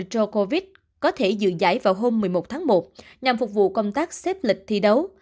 pro covid có thể dự giải vào hôm một mươi một tháng một nhằm phục vụ công tác xếp lịch thi đấu